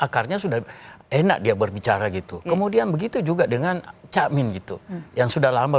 akarnya sudah enak dia berbicara gitu kemudian begitu juga dengan cakmin gitu yang sudah lama